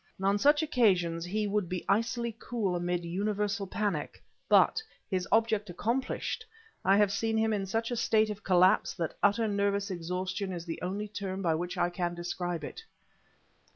On such occasions he would be icily cool amid universal panic; but, his object accomplished, I have seen him in such a state of collapse, that utter nervous exhaustion is the only term by which I can describe it.